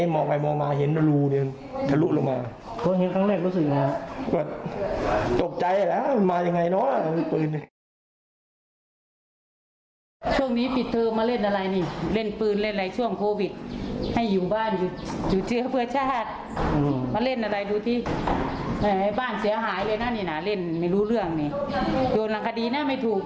ไม่รู้เรื่องนี่โดนหลังคดีน่ะไม่ถูก